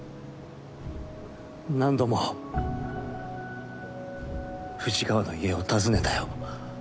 何度も藤川の家を訪ねたよ。